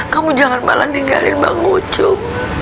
kamu jangan malah tinggalin bang ucup